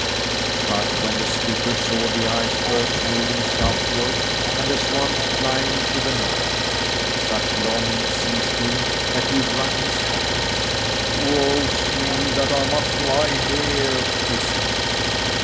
But when the skipper saw the icebergs moving southward and the swans flying to the north such longing seized him that he wrung his hands. "Woe's me, that I must lie here!" he said.